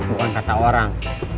bukan kata orang